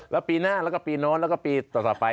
แล้วปีหน้าแล้วก็ปีโน้นแล้วก็ปีต่อไป